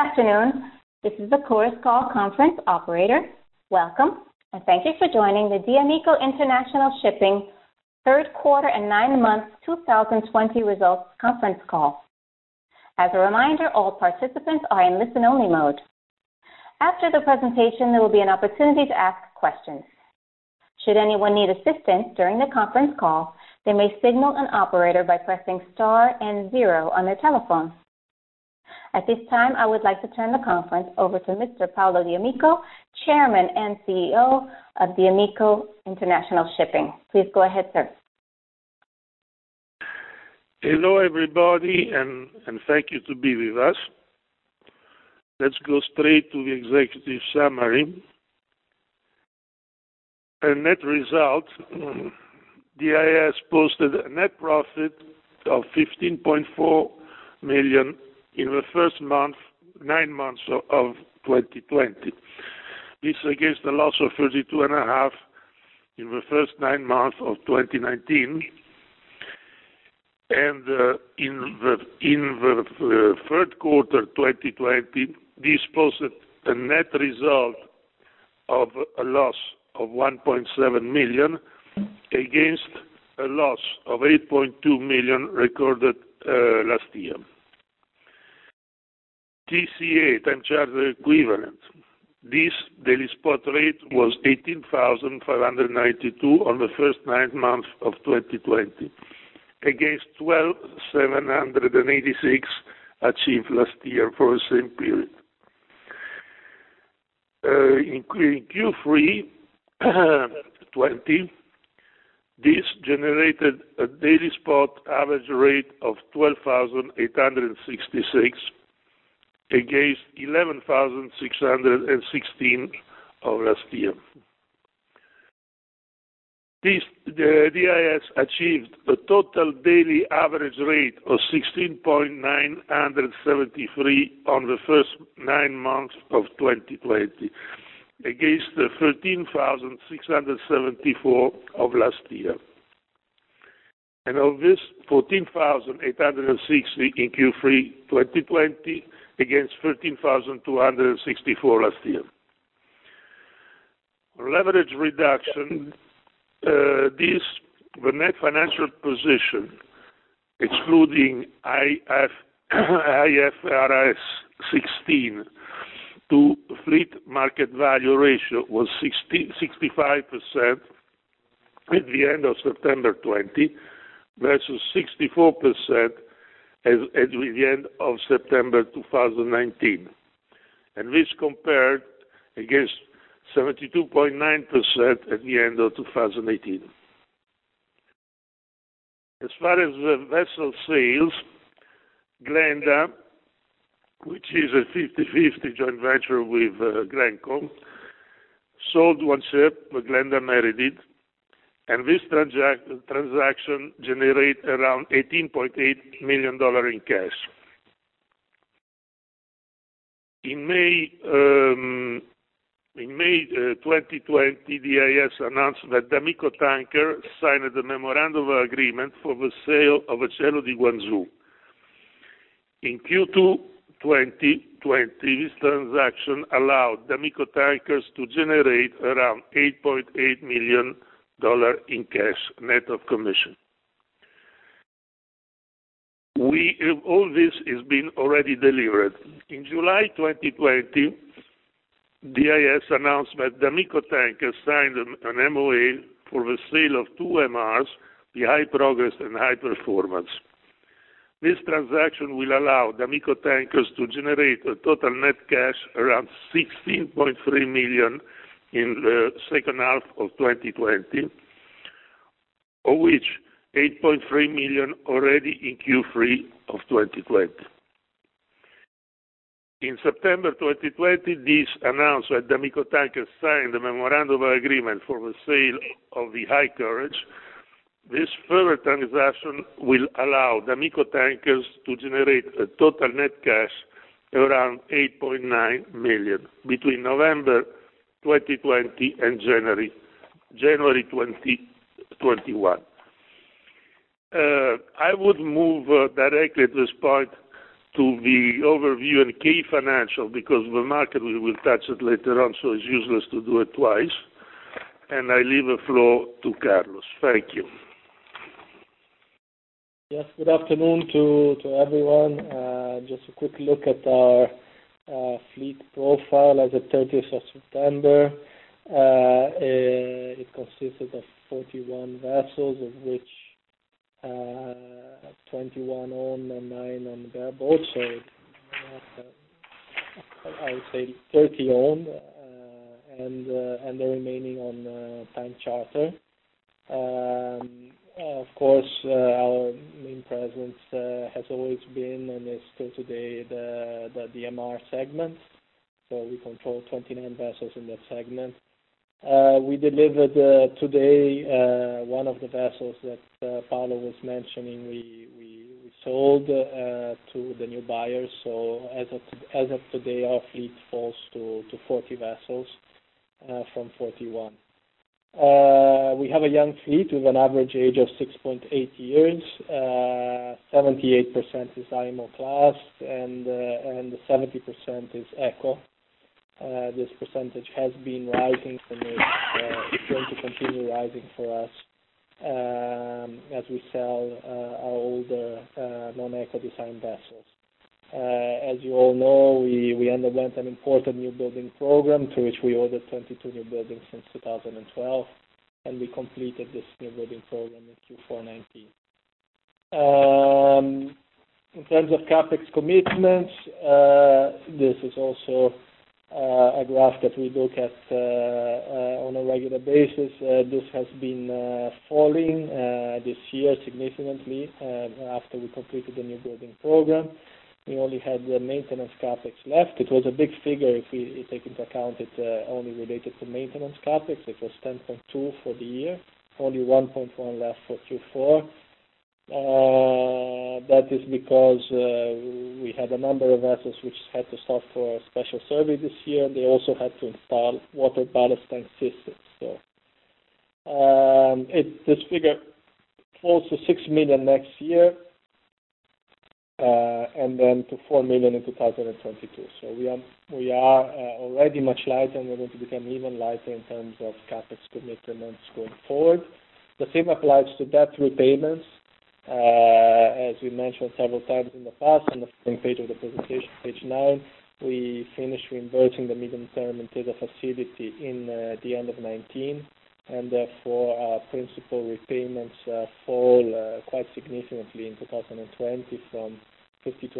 Good afternoon. This is the Chorus Call Conference Operator. Welcome, and thank you for joining the d'Amico International Shipping third quarter and nine months 2020 results conference call. As a reminder, all participants are in listen-only mode. After the presentation, there will be an opportunity to ask a question. Should anyone need assistance during the conference call, they may signal an operator by pressing star and zero on their telephone. At this time, I would like to turn the conference over to Mr. Paolo d'Amico, Chairman and CEO of d'Amico International Shipping. Please go ahead, sir. Hello, everybody, and thank you to be with us. Let's go straight to the executive summary. Our net result, DIS posted a net profit of $15.4 million in the first nine months of 2020. This against a loss of $32.5 million in the first nine months of 2019. In the third quarter 2020, DIS posted a net result of a loss of $1.7 million against a loss of $8.2 million recorded last year. TCE, time charter equivalent. DIS daily spot rate was $18,592 on the first nine months of 2020, against $12,786 achieved last year for the same period. In Q3 2020, DIS generated a daily spot average rate of $12,866 against $11,616 of last year. DIS achieved a total daily average rate of $16,973 on the first nine months of 2020, against the $13,674 of last year. Of this, $14,806 in Q3 2020 against $13,264 last year. Leverage reduction. The net financial position, excluding IFRS 16 to fleet market value ratio, was 65% at the end of September 2020 versus 64% at the end of September 2019. This compared against 72.9% at the end of 2018. As far as the vessel sales, Glenda, which is a 50/50 joint venture with Glencore, sold one ship with Glenda Meredith, and this transaction generate around $18.8 million in cash. In May 2020, DIS announced that d'Amico Tankers signed a memorandum of agreement for the sale of Cielo di Guangzhou. In Q2 2020, this transaction allowed d'Amico Tankers to generate around $8.8 million in cash, net of commission. All this is being already delivered. In July 2020, DIS announced, d'Amico Tankers signed an MOA for the sale of two MRs, the High Progress and High Performance. This transaction will allow d'Amico Tankers to generate a total net cash around $16.3 million in the second half of 2020, of which $8.3 million already in Q3 of 2020. In September 2020, DIS announced that d'Amico Tankers signed a memorandum of agreement for the sale of the High Courage. This further transaction will allow d'Amico Tankers to generate a total net cash around $8.9 million between November 2020 and January 2021. I would move directly at this point to the overview and key financial because the market, we will touch it later on, so it's useless to do it twice. I leave the floor to Carlos. Thank you. Yes, good afternoon to everyone. Just a quick look at our fleet profile as of 30th of September. It consisted of 41 vessels, of which 21 owned and nine on the bareboat. I would say 30 owned, and the remaining on time charter. Of course, our main presence has always been, and is still today, the MR segment. We control 29 vessels in that segment. We delivered today one of the vessels that Paolo was mentioning we sold to the new buyer. As of today, our fleet falls to 40 vessels from 41. We have a young fleet with an average age of 6.8 years. 78% is IMO class, and 70% is Eco. This percentage has been rising, and it's going to continue rising for us as we sell our older non-Eco design vessels. As you all know, we underwent an important newbuilding program, to which we ordered 22 newbuildings since 2012, and we completed this newbuilding program in Q4 2019. In terms of CapEx commitments, this is also a graph that we look at on a regular basis. This has been falling this year significantly after we completed the newbuilding program. We only had the maintenance CapEx left. It was a big figure if you take into account it only related to maintenance CapEx. It was $10.2 million for the year, only $1.1 million left for Q4. That is because we had a number of vessels which had to stop for a special survey this year, and they also had to install water ballast tank systems. This figure falls to $6 million next year, and then to $4 million in 2022. We are already much lighter, and we're going to become even lighter in terms of CapEx commitments going forward. The same applies to debt repayments. As we mentioned several times in the past, on the front page of the presentation, page nine, we finished reimbursing the medium-term Intesa facility in the end of 2019, and therefore our principal repayments fall quite significantly in 2020 from $52.5 million to $36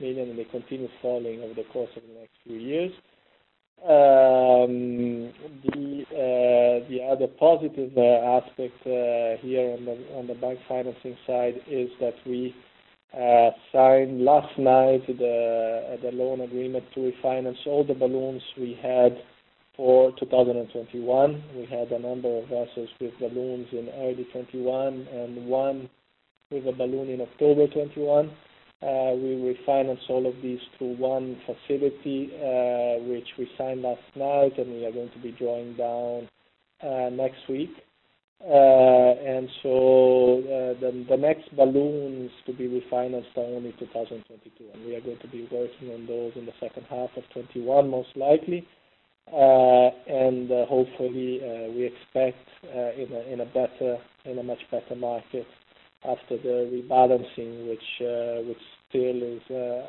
million, and they continue falling over the course of the next few years. The other positive aspect here on the bank financing side is that we signed last night the loan agreement to refinance all the balloons we had for 2021. We had a number of vessels with balloons in early 2021 and one with a balloon in October 2021. We refinance all of these to one facility, which we signed last night. We are going to be drawing down next week. The next balloons to be refinanced are only in 2022, and we are going to be working on those in the second half of 2021, most likely. Hopefully, we expect in a much better market after the rebalancing, which still is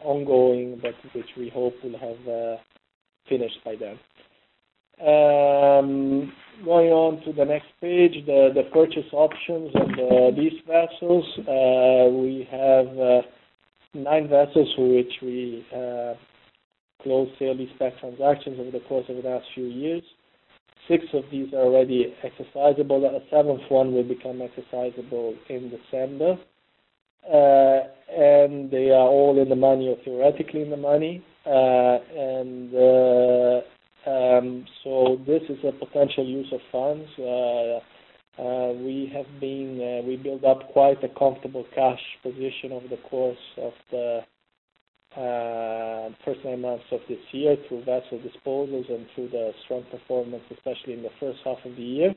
ongoing, but which we hope will have finished by then. Going on to the next page, the purchase options of these vessels. We have nine vessels for which we closed sale and leaseback transactions over the course of the last few years. Six of these are already exercisable. A seventh one will become exercisable in December. They are all in the money or theoretically in the money. This is a potential use of funds. We build up quite a comfortable cash position over the course of the first nine months of this year through vessel disposals and through the strong performance, especially in the first half of the year.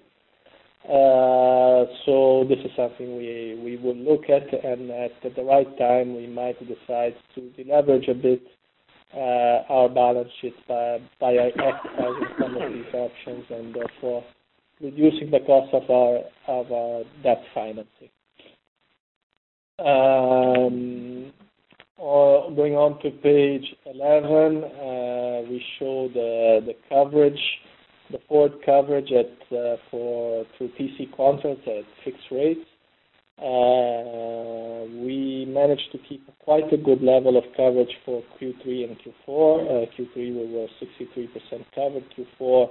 This is something we would look at, and at the right time, we might decide to deleverage a bit our balance sheet by exercising some of these options and therefore reducing the cost of our debt financing. Going on to page 11, we show the forward coverage for TC contracts at fixed rates. We managed to keep quite a good level of coverage for Q3 and Q4. Q3, we were 63% covered. Q4,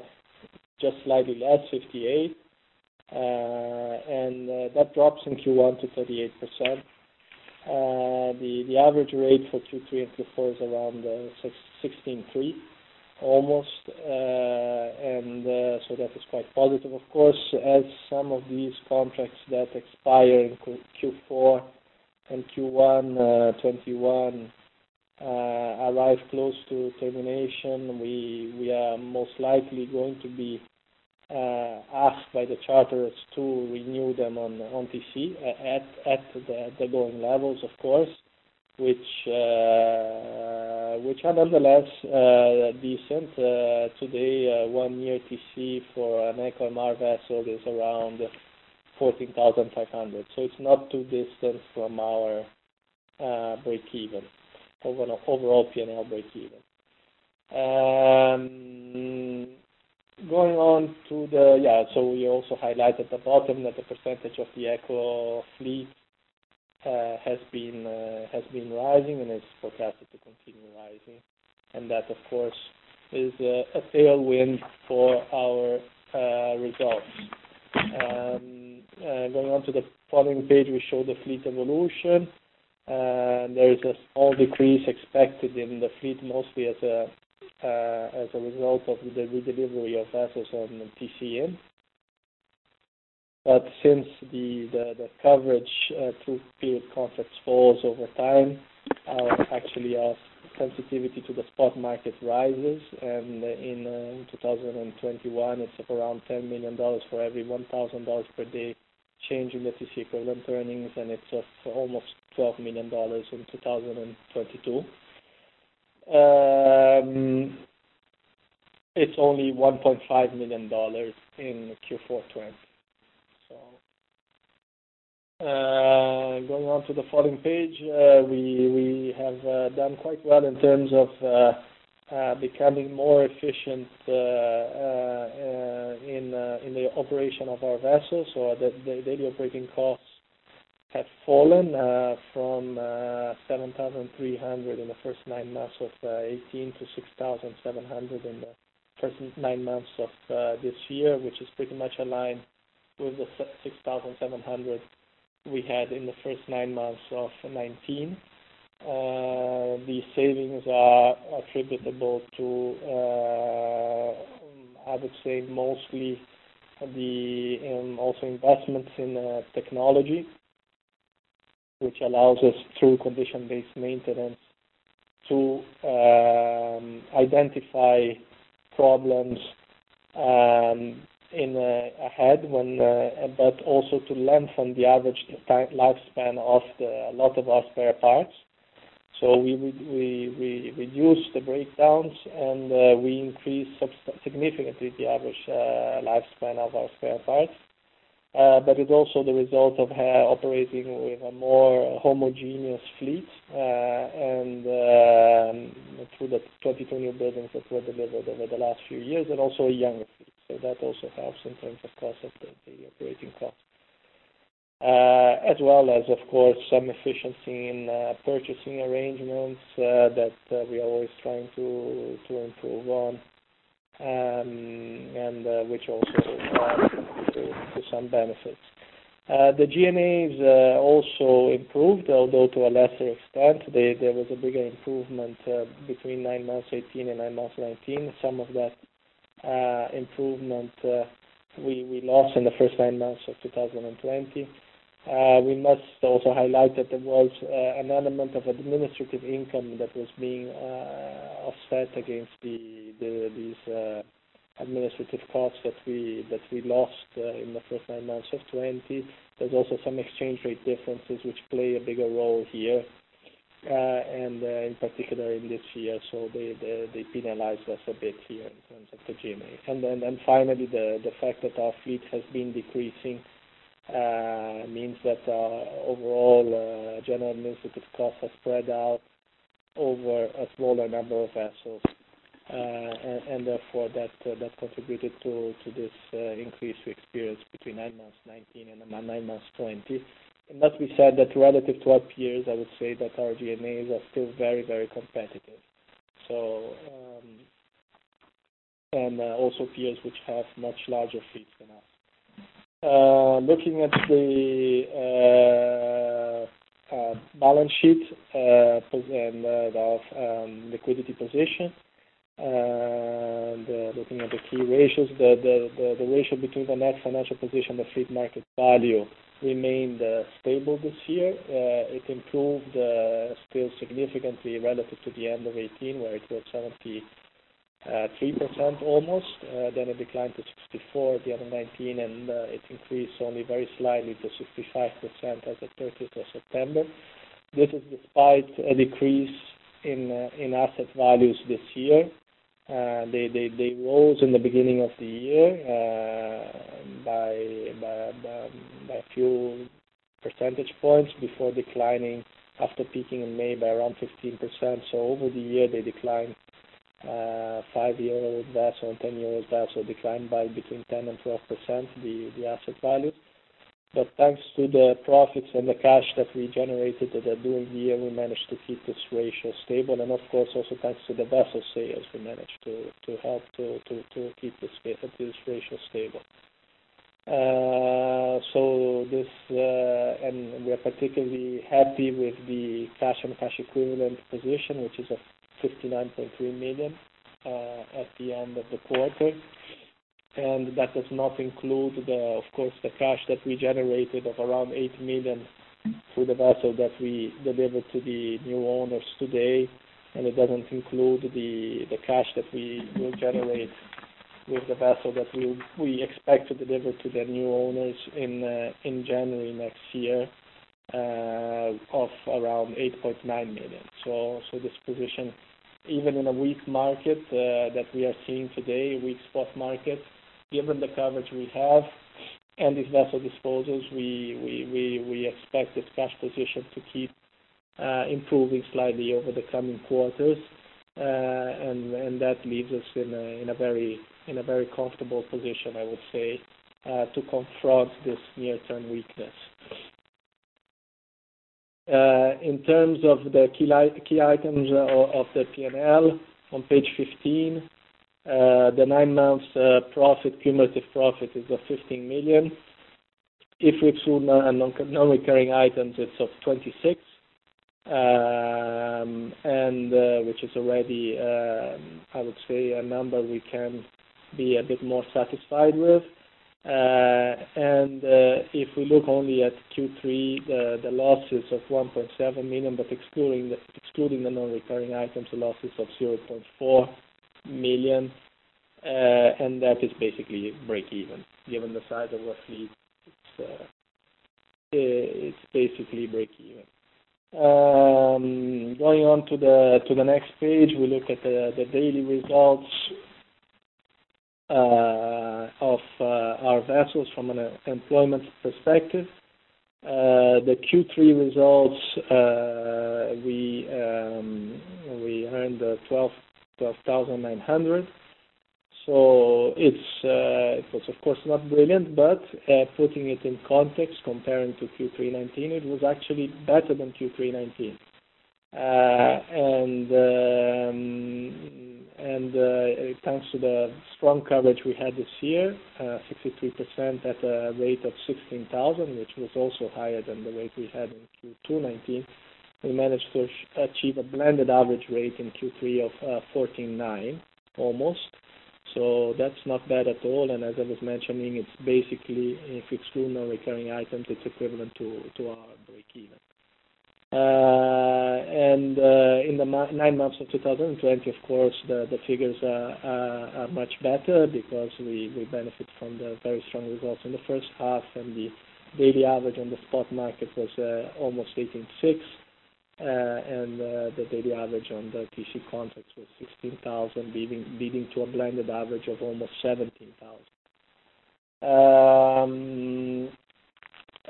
just slightly less, 58%. That drops in Q1 to 38%. The average rate for Q3 and Q4 is around $16,300 almost. That is quite positive. Of course, as some of these contracts that expire in Q4 and Q1 2021 arrive close to termination, we are most likely going to be asked by the charterers to renew them on TC at the going levels, of course, which are nonetheless decent. Today, one-year TC for an Eco MR vessel is around $14,500. It's not too distant from our overall P&L breakeven. Going on, we also highlight at the bottom that the percentage of the Eco fleet has been rising, and it's forecasted to continue rising. That, of course, is a tailwind for our results. Going on to the following page, we show the fleet evolution. There is a small decrease expected in the fleet, mostly as a result of the redelivery of vessels on TC-in. Since the coverage through period contracts falls over time, actually our sensitivity to the spot market rises, and in 2021, it's around $10 million for every $1,000 per day change in the TC pro-forma earnings, and it's almost $12 million in 2022. It's only $1.5 million in Q4 2020. Going on to the following page, we have done quite well in terms of becoming more efficient in the operation of our vessels, so the daily operating costs have fallen from $7,300 in the first nine months of 2018 to $6,700 in the first nine months of this year, which is pretty much aligned with the $6,700 we had in the first nine months of 2019. These savings are attributable to, I would say, mostly the investments in technology, which allows us, through condition-based maintenance, to identify problems ahead, but also to lengthen the average lifespan of a lot of our spare parts. We reduce the breakdowns, and we increase significantly the average lifespan of our spare parts. It's also the result of operating with a more homogeneous fleet, and through the 2020 buildings that were delivered over the last few years, and also a younger fleet. That also helps in terms, of course, of the operating cost. As well as, of course, some efficiency in purchasing arrangements that we are always trying to improve on, and which also add to some benefits. The G&As also improved, although to a lesser extent. There was a bigger improvement between nine months 2018 and nine months 2019. Some of that improvement we lost in the first nine months of 2020. We must also highlight that there was an element of administrative income that was being offset against these administrative costs that we lost in the first nine months of 2020. There's also some exchange rate differences which play a bigger role here, and in particular in this year, so they penalized us a bit here in terms of the G&A. Finally, the fact that our fleet has been decreasing means that our overall general administrative cost has spread out over a smaller number of vessels. Therefore that contributed to this increase we experienced between nine months 2019 and nine months 2020. It must be said that relative to our peers, I would say that our G&As are still very competitive. Also peers which have much larger fleets than us. Looking at the balance sheet and our liquidity position, looking at the key ratios, the ratio between the net financial position, the fleet market value remained stable this year. It improved still significantly relative to the end of 2018, where it was 73% almost. It declined to 64% at the end of 2019, and it increased only very slightly to 65% as at 30th of September. This is despite a decrease in asset values this year. They rose in the beginning of the year by a few percentage points before declining after peaking in May by around 15%. Over the year, they declined five-year-old vessel and 10-year-old vessel declined by between 10% and 12%, the asset value. Thanks to the profits and the cash that we generated during the year, we managed to keep this ratio stable, and of course, also thanks to the vessel sales, we managed to help to keep this ratio stable. We are particularly happy with the cash and cash equivalent position, which is at $59.3 million at the end of the quarter. That does not include, of course, the cash that we generated of around $8 million through the vessel that we delivered to the new owners today, and it doesn't include the cash that we will generate with the vessel that we expect to deliver to their new owners in January next year of around $8.9 million. This position, even in a weak market that we are seeing today, a weak spot market, given the coverage we have and these vessel disposals, we expect this cash position to keep improving slightly over the coming quarters. That leaves us in a very comfortable position, I would say, to confront this near-term weakness. In terms of the key items of the P&L on page 15, the nine months cumulative profit is of $15 million. If we exclude non-recurring items, it's of $26 million. Which is already, I would say, a number we can be a bit more satisfied with. If we look only at Q3, the losses of $1.7 million, but excluding the non-recurring items, the losses of $0.4 million. That is basically breakeven. Given the size of our fleet, it's basically breakeven. Going on to the next page, we look at the daily results of our vessels from an employment perspective. The Q3 results, we earned $12,900. It was of course not brilliant, but putting it in context, comparing to Q3 2019, it was actually better than Q3 2019. It comes to the strong coverage we had this year, 63% at a rate of $16,000, which was also higher than the rate we had in Q2 2019. We managed to achieve a blended average rate in Q3 of $14,900 almost. As I was mentioning, it's basically, if you exclude non-recurring items, it's equivalent to our breakeven. In the nine months of 2020, of course, the figures are much better because we benefit from the very strong results in the first half and the daily average on the spot market was almost $18,600, and the daily average on the TC contracts was $16,000, leading to a blended average of almost $17,000.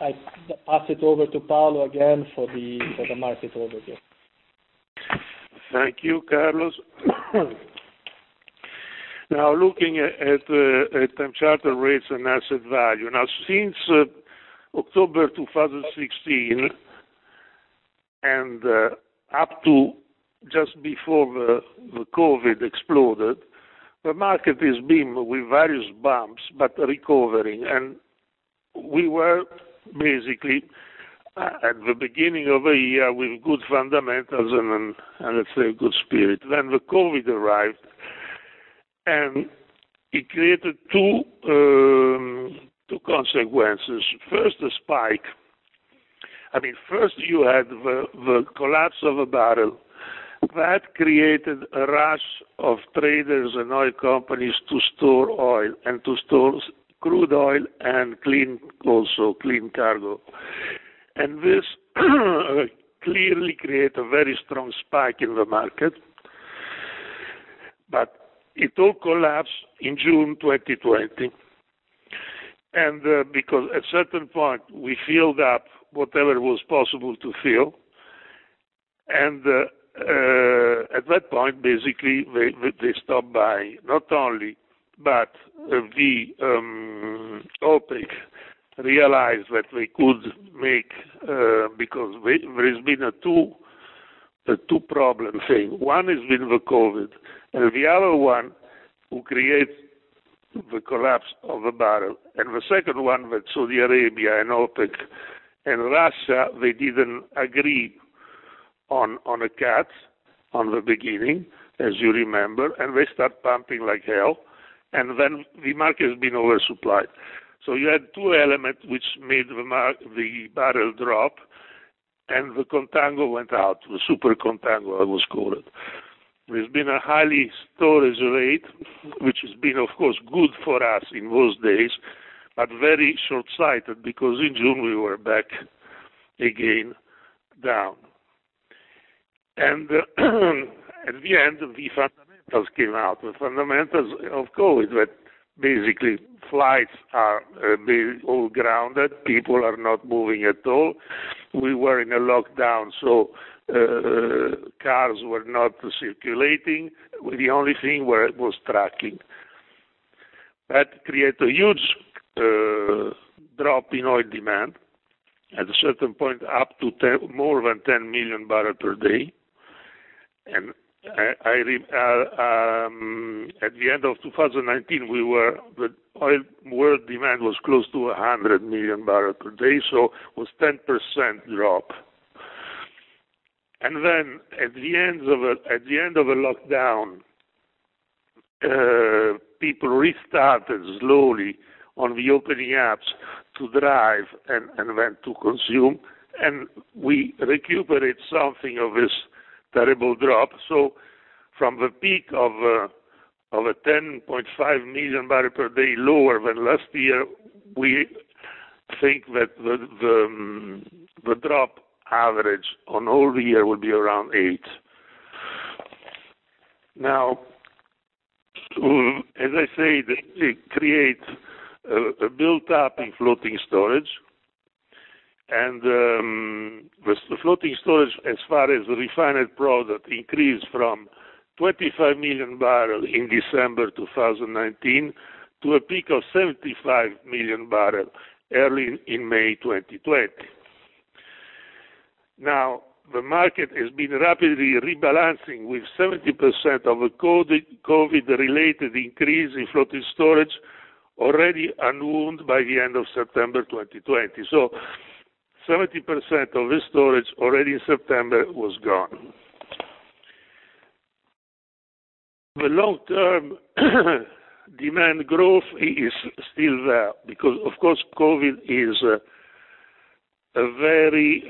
I pass it over to Paolo again for the market overview. Thank you, Carlos. Looking at time charter rates and asset value. Since October 2016 and up to just before the COVID exploded, the market has been with various bumps but recovering. We were basically at the beginning of a year with good fundamentals and let's say good spirit. The COVID arrived, and it created two consequences. First, the spike. I mean, first you had the collapse of a barrel. That created a rush of traders and oil companies to store oil and to store crude oil and clean also, clean cargo. This clearly create a very strong spike in the market. It all collapsed in June 2020. Because at certain point we filled up whatever was possible to fill, and at that point, basically, they stopped buying. The OPEC realized what they could make, because there's been a two problem thing. One has been the COVID, the other one who create the collapse of the barrel. The second one with Saudi Arabia and OPEC and Russia, they didn't agree on a cut on the beginning, as you remember, they start pumping like hell. The market has been oversupplied. You had two elements which made the barrel drop, the contango went out. The super contango it was called. There's been a highly storage rate, which has been, of course, good for us in those days, but very short-sighted because in June we were back again down. At the end, the fundamentals came out. The fundamentals of COVID were basically flights are all grounded, people are not moving at all. We were in a lockdown, cars were not circulating. The only thing was trucking. That created a huge drop in oil demand at a certain point up to more than 10 million barrel per day. At the end of 2019, the oil world demand was close to 100 million barrel per day, it was 10% drop. At the end of the lockdown, people restarted slowly on the opening ups to drive and went to consume, and we recuperated something of this terrible drop. From the peak of a 10.5 million barrel per day lower than last year, we think that the drop average on all the year will be around eight. Now, as I said, it created a build up in floating storage. With the floating storage as far as refined product increased from 25 million barrel in December 2019 to a peak of 75 million barrel early in May 2020. Now, the market has been rapidly rebalancing with 70% of the COVID-related increase in floating storage already annulled by the end of September 2020. 70% of this storage already in September was gone. The long-term demand growth is still there because, of course, COVID is very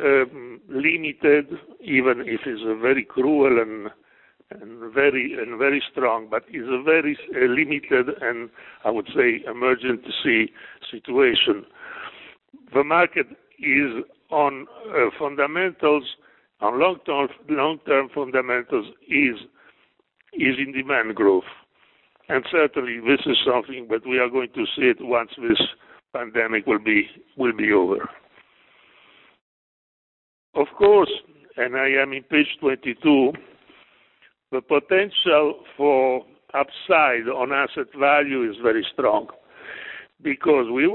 limited, even if it's very cruel and very strong, but is very limited and, I would say, emergency situation. The market is on fundamentals. On long-term fundamentals is in demand growth. Certainly, this is something that we are going to see it once this pandemic will be over. Of course, and I am in page 22, the potential for upside on asset value is very strong because we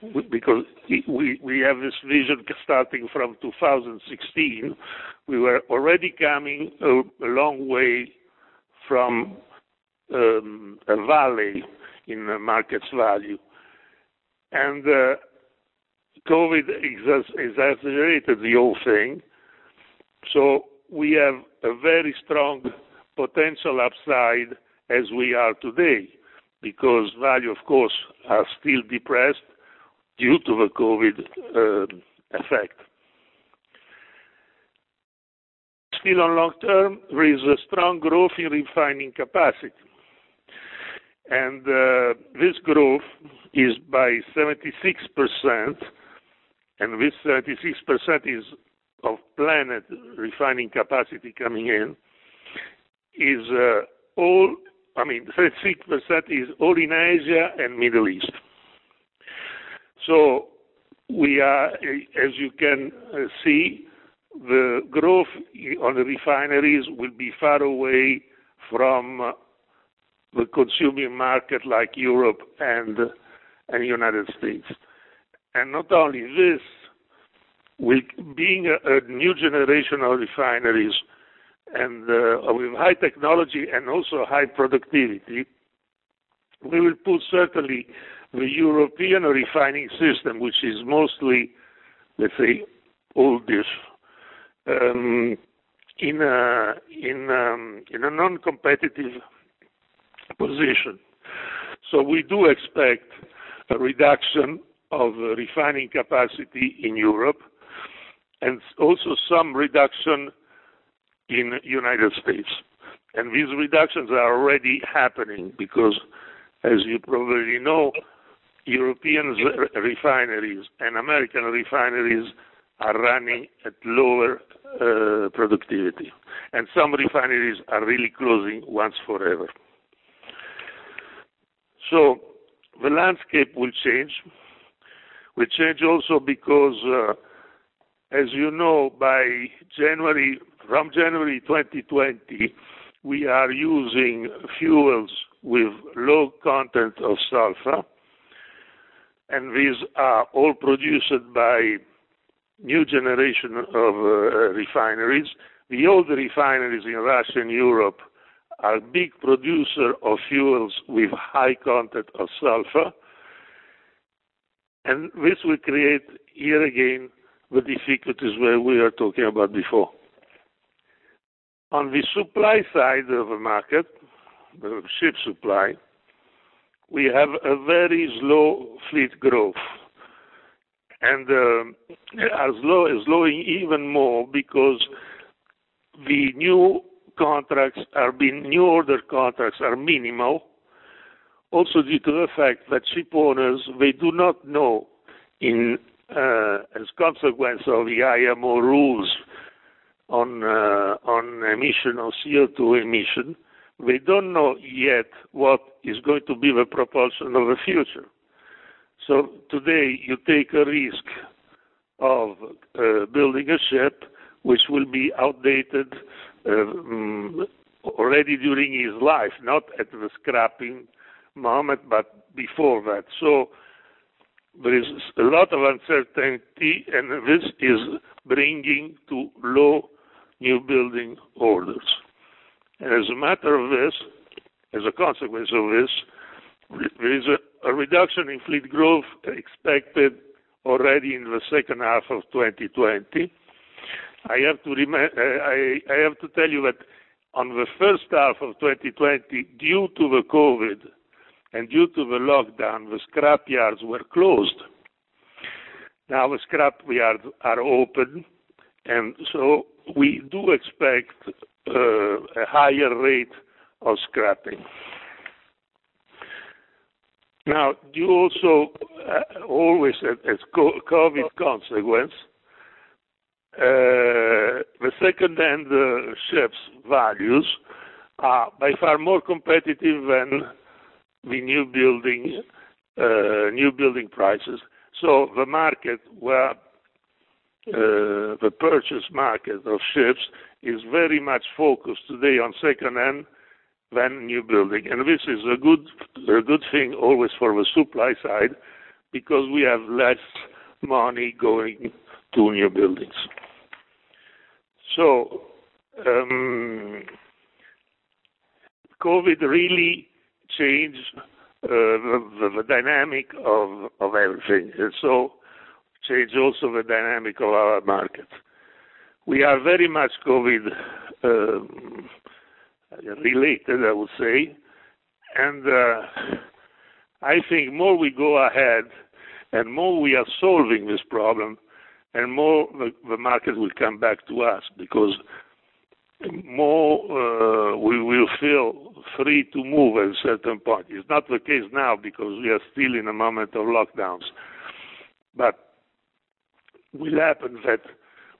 have this vision starting from 2016. We were already coming a long way from a valley in the market's value. COVID exacerbated the whole thing. We have a very strong potential upside as we are today because value, of course, are still depressed due to the COVID effect. Still on long-term, there is a strong growth in refining capacity. This growth is by 76%, and this 36% is of planned refining capacity coming in. 36% is all in Asia and Middle East. As you can see, the growth on the refineries will be far away from the consuming market like Europe and U.S. Not only this, with being a new generation of refineries and with high technology and also high productivity, we will put certainly the European refining system, which is mostly, let's say, oldest, in a non-competitive position. We do expect a reduction of refining capacity in Europe and also some reduction in U.S. These reductions are already happening because, as you probably know, European refineries and American refineries are running at lower productivity, and some refineries are really closing once forever. The landscape will change. Will change also because, as you know, from January 2020, we are using fuels with low content of sulfur, and these are all produced by new generation of refineries. The old refineries in Russia and Europe are big producer of fuels with high content of sulfur. This will create, here again, the difficulties where we are talking about before. On the supply side of the market, the ship supply, we have a very slow fleet growth. Slowing even more because the new order contracts are minimal. Due to the fact that ship owners, as consequence of the IMO rules on CO2 emission, we don't know yet what is going to be the propulsion of the future. Today you take a risk of building a ship which will be outdated already during his life, not at the scrapping moment, but before that. There is a lot of uncertainty, and this is bringing to low newbuilding orders. As a matter of this, as a consequence of this, there is a reduction in fleet growth expected already in the second half of 2020. I have to tell you that on the first half of 2020, due to the COVID and due to the lockdown, the scrap yards were closed. Now the scrap are open, and so we do expect a higher rate of scrapping. Always as COVID consequence, the second-hand ships values are by far more competitive than the newbuilding prices. The purchase market of ships is very much focused today on second-hand than newbuilding. This is a good thing always for the supply side because we have less money going to newbuildings. COVID really changed the dynamic of everything, changed also the dynamic of our market. We are very much COVID related, I would say, and I think more we go ahead, and more we are solving this problem, and more the market will come back to us because more we will feel free to move at a certain point. It's not the case now because we are still in a moment of lockdowns. Will happen that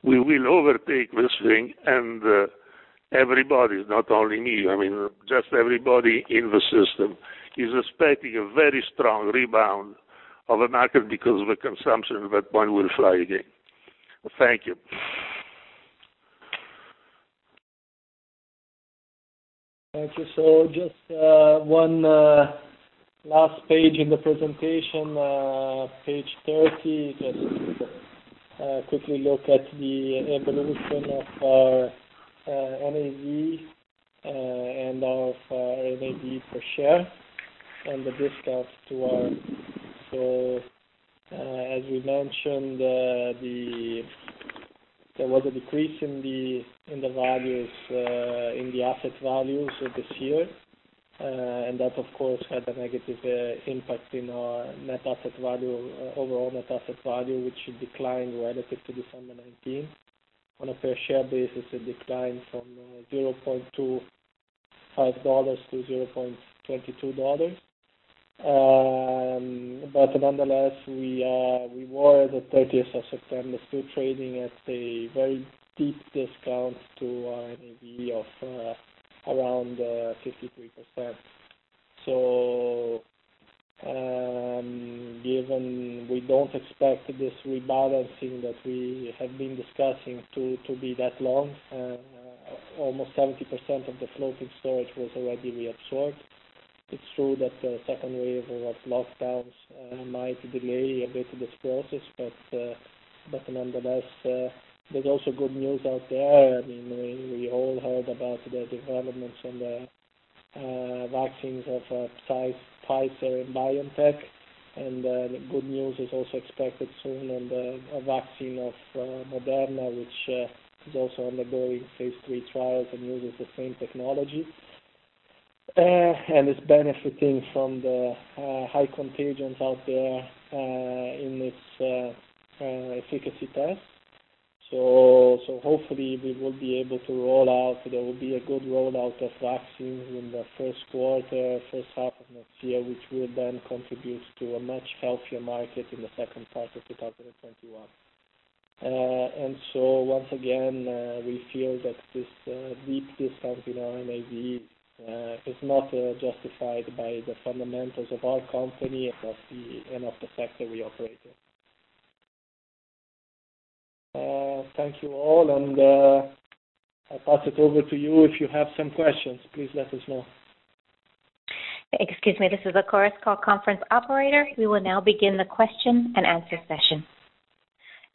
we will overtake this thing and everybody, not only me, just everybody in the system, is expecting a very strong rebound of the market because the consumption at that point will fly again. Thank you. Thank you. Just one last page in the presentation, page 30. Just quickly look at the evolution of our NAV and our NAV per share and the discount to our. As we mentioned, there was a decrease in the asset values this year, and that, of course, had a negative impact in our net asset value, overall net asset value, which declined relative to December 2019. On a per share basis, a decline from $0.25 to $0.22. Nonetheless, we were, the 30th of September, still trading at a very deep discount to our NAV of around 53%. Given we don't expect this rebalancing that we have been discussing to be that long, almost 70% of the floating storage was already reabsorbed. It's true that the second wave of lockdowns might delay a bit this process, but nonetheless, there's also good news out there. We all heard about the developments on the vaccines of Pfizer and BioNTech, and the good news is also expected soon on the vaccine of Moderna, which is also undergoing phase III trials and uses the same technology, and is benefiting from the high contagion out there in its efficacy test. Hopefully, we will be able to roll out, there will be a good rollout of vaccines in the first quarter, first half of next year, which will then contribute to a much healthier market in the second part of 2021. Once again, we feel that this deep discount in our NAV is not justified by the fundamentals of our company and of the sector we operate in. Thank you all, and I'll pass it over to you if you have some questions, please let us know. We will now begin the question and answer session.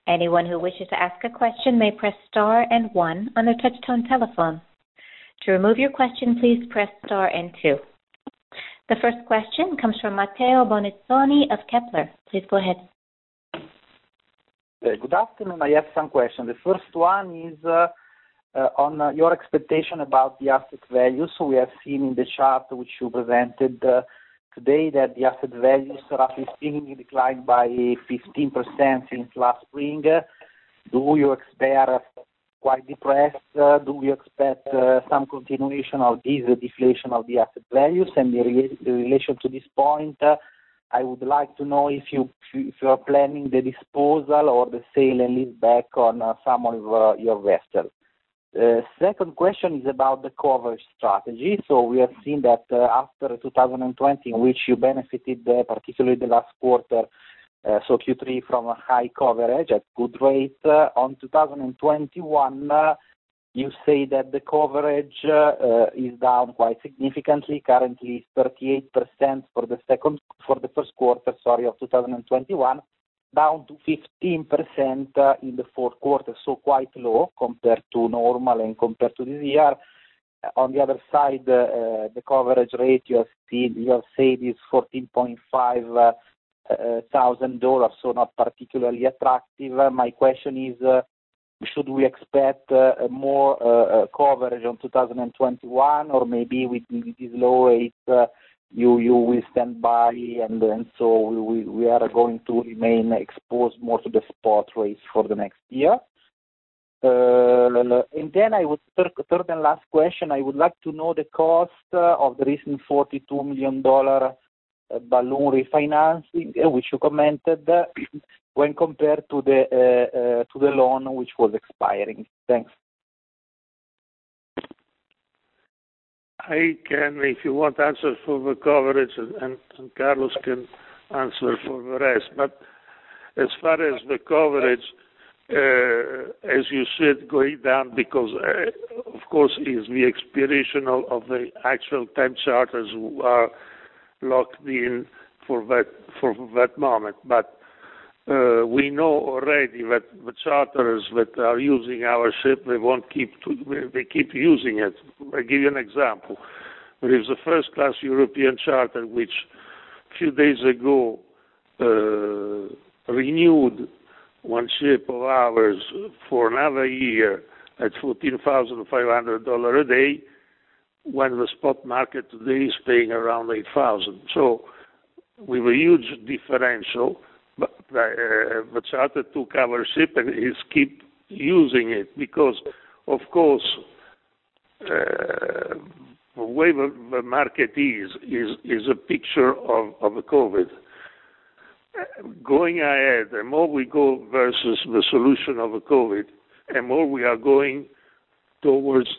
Anyone who wishes to ask a question may press star and one on their touch-tone telephone. To remove your question, please press star and two. The first question comes from Matteo Bonizzoni of Kepler Cheuvreux. Please go ahead. Good afternoon. I have some questions. The first one is on your expectation about the asset value. We have seen in the chart, which you presented today, that the asset value is roughly seeing a decline by 15% since last spring. Do you expect quite depressed? Do you expect some continuation of this deflation of the asset values? In relation to this point, I would like to know if you are planning the disposal or the sale and leaseback on some of your vessels. Second question is about the coverage strategy. We have seen that after 2020, in which you benefited particularly the last quarter, Q3, from a high coverage at good rate. On 2021, you say that the coverage is down quite significantly, currently 38% for the first quarter of 2021, down to 15% in the fourth quarter. Quite low compared to normal and compared to this year. On the other side, the coverage rate you have said is $14,500, not particularly attractive. My question is, should we expect more coverage on 2021? Maybe with this low rate, you will stand by, we are going to remain exposed more to the spot rates for the next year? Third and last question, I would like to know the cost of the recent $42 million balloon refinancing, which you commented, when compared to the loan which was expiring. Thanks. I can, if you want, answer for the coverage, and Carlos can answer for the rest. We know already that the charters that are using our ship, they keep using it. I give you an example. There is a first-class European charter which a few days ago renewed one ship of ours for another year at $14,500 a day, when the spot market today is paying around $8,000. With a huge differential, but the charter took our ship and he keep using it because, of course, the way the market is a picture of COVID. Going ahead, the more we go versus the solution of COVID, the more we are going towards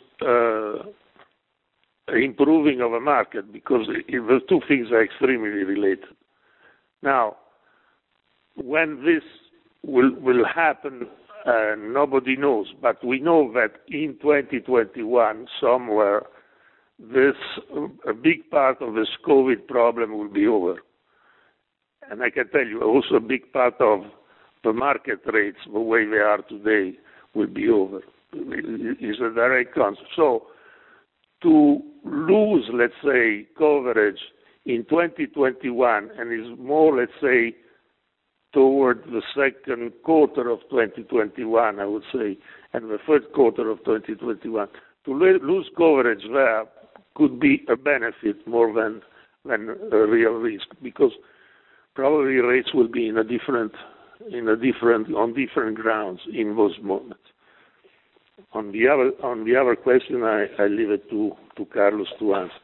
improving of a market, because the two two things are extremely related. When this will happen, nobody knows, but we know that in 2021 somewhere, a big part of this COVID problem will be over. I can tell you also, a big part of the market rates, the way they are today, will be over, is a direct concept. To lose, let's say, coverage in 2021, and is more toward the second quarter of 2021, I would say, and the first quarter of 2021. To lose coverage there could be a benefit more than a real risk, because probably rates will be on different grounds in those moments. On the other question, I leave it to Carlos to answer.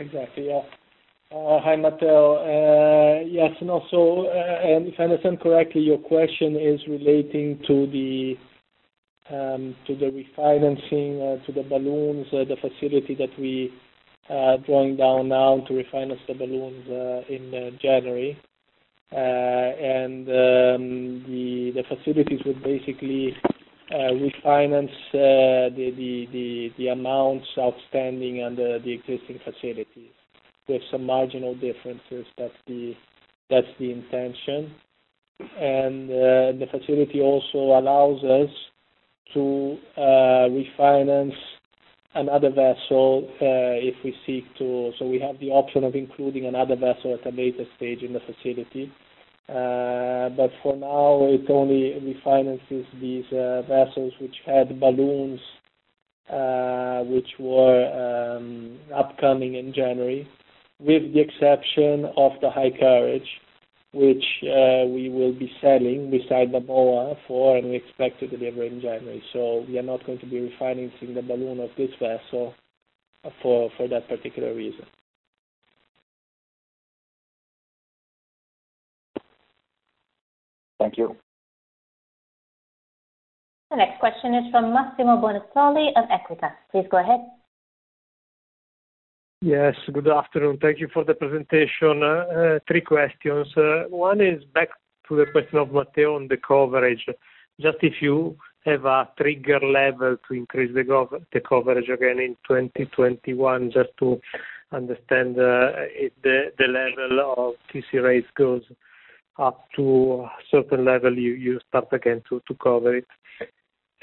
Exactly, yeah. Hi, Matteo. Yes, if I understand correctly, your question is relating to the refinancing, to the balloons, the facility that we are drawing down now to refinance the balloons in January. The facilities would basically refinance the amounts outstanding under the existing facilities. With some marginal differences, that's the intention. The facility also allows us to refinance another vessel, if we seek to. We have the option of including another vessel at a later stage in the facility. For now, it only refinances these vessels which had balloons, which were upcoming in January, with the exception of the High Courage, which we will be selling beside the MOA for, and we expect to deliver in January. We are not going to be refinancing the balloon of this vessel for that particular reason. Thank you. The next question is from Massimo Bonisoli of Equita. Please go ahead. Yes, good afternoon. Thank you for the presentation. Three questions. One is back to the question of Matteo on the coverage. Just if you have a trigger level to increase the coverage again in 2021, just to understand if the level of TC rates goes up to a certain level, you start again to cover it.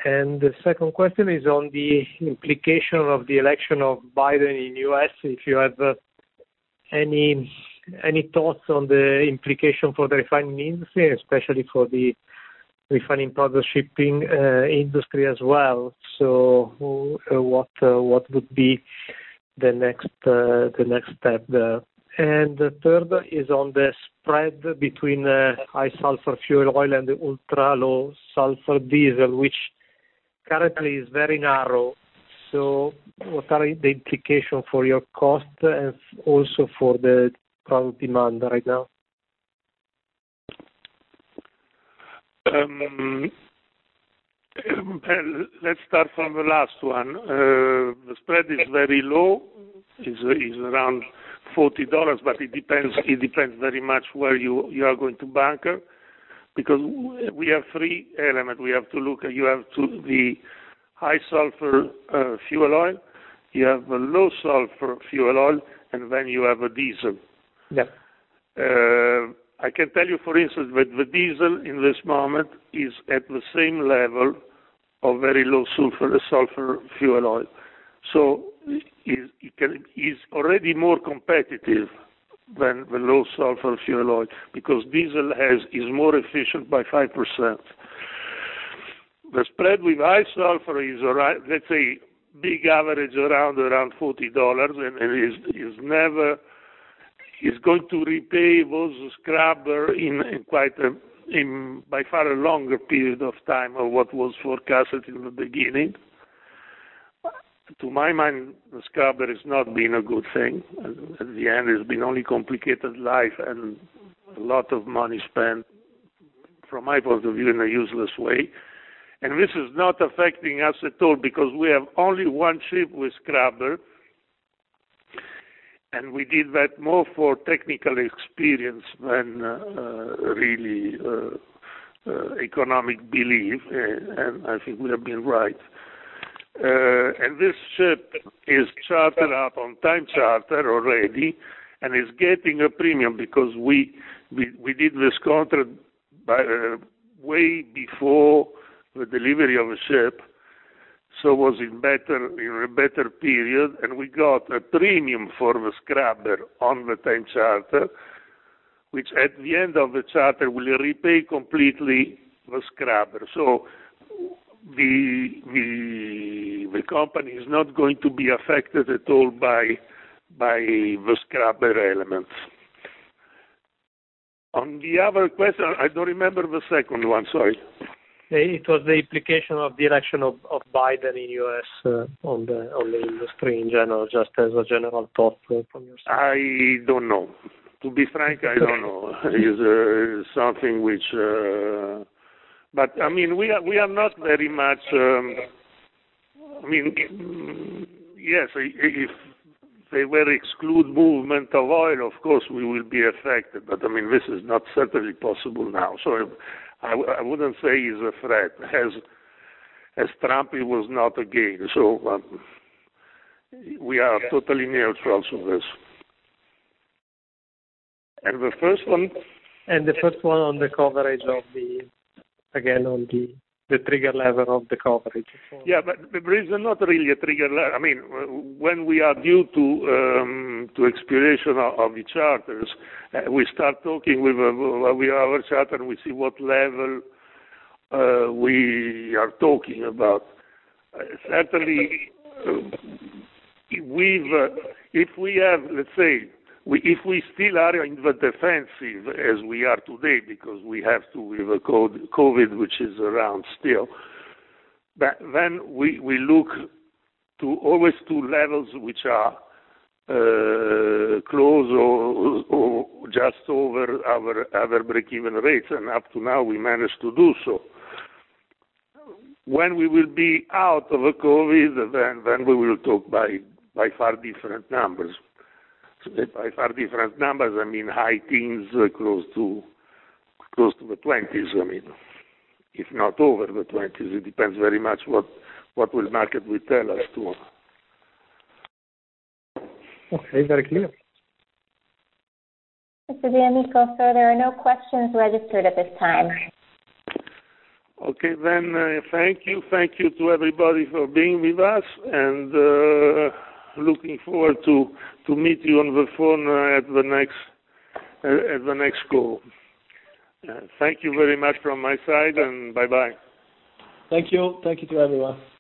The second question is on the implication of the election of Biden in U.S., if you have any thoughts on the implication for the refining industry, especially for the refining partner shipping industry as well. What would be the next step there? The third is on the spread between high sulfur fuel oil and the ultra-low sulfur diesel, which currently is very narrow. What are the implications for your cost and also for the current demand right now? Let's start from the last one. The spread is very low, is around $40. It depends very much where you are going to bunker, because we have three elements we have to look at. You have the high sulfur fuel oil, you have the low sulfur fuel oil. Then you have diesel. Yeah. I can tell you, for instance, that the diesel in this moment is at the same level of very low sulfur fuel oil. It's already more competitive than the low sulfur fuel oil because diesel is more efficient by 5%. The spread with high sulfur is, let's say, big average around $40, and it's going to repay those scrubber in by far a longer period of time of what was forecasted in the beginning. To my mind, the scrubber has not been a good thing. At the end, it's been only complicated life and a lot of money spent, from my point of view, in a useless way. This is not affecting us at all because we have only one ship with scrubber, and we did that more for technical experience than really economic belief, and I think we have been right. This ship is chartered out on time charter already, and is getting a premium because we did this contract way before the delivery of the ship. It was in a better period, and we got a premium for the scrubber on the time charter, which at the end of the charter will repay completely the scrubber. The company is not going to be affected at all by the scrubber elements. On the other question, I don't remember the second one, sorry. It was the implication of the election of Biden in U.S. on the industry in general, just as a general thought from yourself. I don't know. To be frank, I don't know. We are not very much If they were exclude movement of oil, of course, we will be affected. This is not certainly possible now. I wouldn't say is a threat, as Trump it was not again. We are totally neutral to this. The first one? The first one on the coverage of the, again, on the trigger level of the coverage. Yeah, there is not really a trigger level. When we are due to expiration of the charters, we start talking with our charter and we see what level we are talking about. Certainly, if we still are in the defensive as we are today because we have to, we have COVID, which is around still, then we look to always two levels which are close or just over our break-even rates, and up to now, we managed to do so. When we will be out of COVID, then we will talk by far different numbers. By far different numbers, I mean, high teens, close to the 20s, if not over the 20s. It depends very much what will market will tell us too. Okay, very clear. Mr. d'Amico, sir, there are no questions registered at this time. Okay, thank you. Thank you to everybody for being with us, and looking forward to meet you on the phone at the next call. Thank you very much from my side, and bye-bye. Thank you. Thank you to everyone.